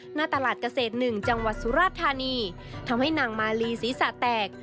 หน้าตลาดเกษตร๑จังหวัดสุราชธานีทำให้นางมาลีศีรษะแตก